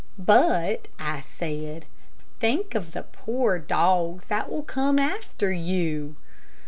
"But," I said, "think of the poor dogs that will come after you."